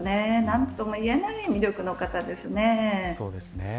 何とも言えない魅力の方ですね。